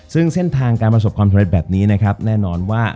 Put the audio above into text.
ซึ่งเส้นทางการประสบความเท่านี้แน่นอนว่า